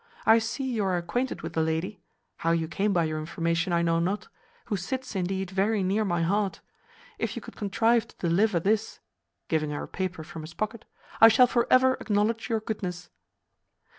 I see you are acquainted with the lady (how you came by your information I know not), who sits, indeed, very near my heart. If you could contrive to deliver this (giving her a paper from his pocket), I shall for ever acknowledge your goodness."